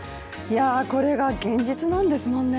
これが現実なんですもんね。